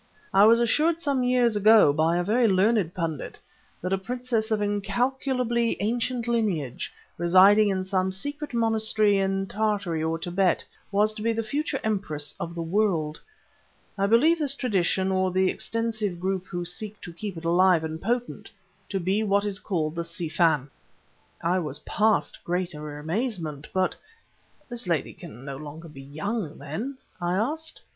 I was assured some years ago, by a very learned pundit, that a princess of incalculably ancient lineage, residing in some secret monastery in Tartary or Tibet, was to be the future empress of the world. I believe this tradition, or the extensive group who seek to keep it alive and potent, to be what is called the Si Fan!" I was past greater amazement; but "This lady can be no longer young, then?" I asked.